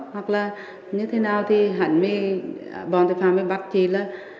hoặc là như thế nào thì hẳn vì bọn tội phạm bắt tôi là